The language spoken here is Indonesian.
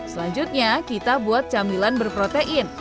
selanjutnya kita buat camilan berprotein